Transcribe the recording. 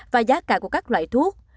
và giá cả của các loại thuốc